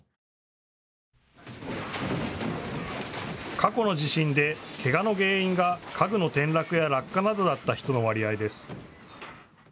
過去の地震でけがの原因が家具の転落や落下などだった人の割合です。